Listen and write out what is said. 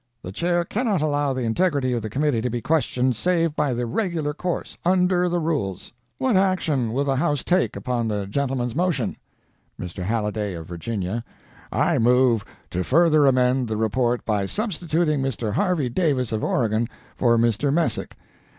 The Chair cannot allow the integrity of the committee to be questioned save by the regular course, under the rules. What action will the House take upon the gentleman's motion?' "MR. HALLIDAY of Virginia: 'I move to further amend the report by substituting Mr. Harvey Davis of Oregon for Mr. Messick.